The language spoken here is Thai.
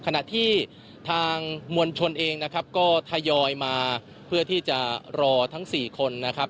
ขณะที่ทางมวลชนเองนะครับก็ทยอยมาเพื่อที่จะรอทั้ง๔คนนะครับ